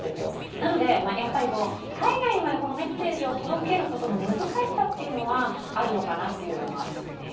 なので、やっぱり海外にまでメッセージを届けるところの難しさというのはあるのかなというのはありますね。